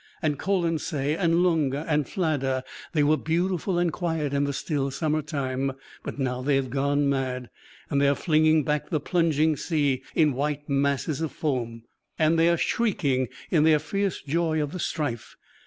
And Colonsay, and Lunga, and Fladda they were beautiful and quiet in the still summer time; but now they have gone mad, and they are flinging back the plunging sea in white masses of foam, and they are shrieking in their fierce joy of the strife.